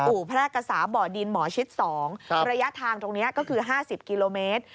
แพร่กษาบ่อดินหมอชิด๒ระยะทางตรงนี้ก็คือ๕๐กิโลเมตร